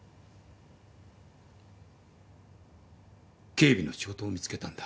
警備の仕事を見つけたんだ。